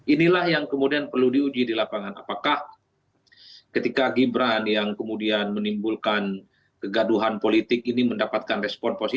inilah yang kemudian perlu diuji di lapangan apakah ketika gibran yang kemudian menimbulkan kegaduhan politik ini mendapatkan respon positif